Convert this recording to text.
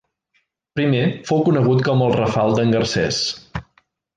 Primer fou conegut com el Rafal d'en Garcés.